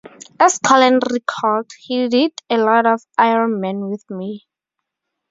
As Colan recalled, "He did a lot of "Iron Man" with me.